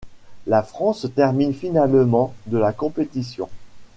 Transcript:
La France termine finalement de la compétition.